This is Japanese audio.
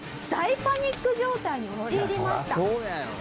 大パニック状態に陥りました。